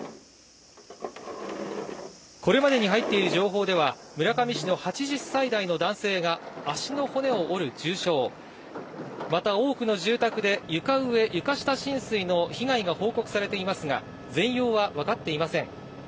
これまでに入っている情報では、村上市の８０歳代の男性が足の骨を折る重傷、また多くの住宅で床上、床下浸水の被害が報告されていますが、全容は分かっていません。